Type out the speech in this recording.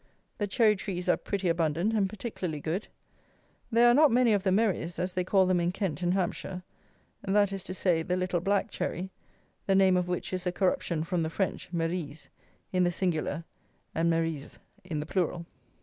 The cherry trees are pretty abundant and particularly good. There are not many of the merries, as they call them in Kent and Hampshire; that is to say, the little black cherry, the name of which is a corruption from the French, merise, in the singular, and merises in the plural.